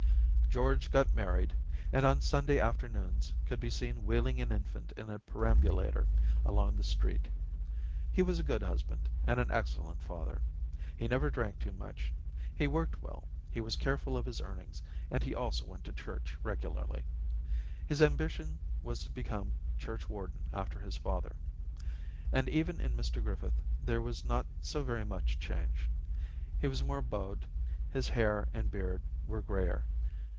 George got married, and on Sunday afternoons could be seen wheeling an infant in a perambulator along the street. He was a good husband and an excellent father. He never drank too much, he worked well, he was careful of his earnings, and he also went to church Daisy 249 regularly ; his ambition was to become churchwarden after his father. And even in Mr Griffith there was not so very much change. He was more bowed, his hair and beard were greyer.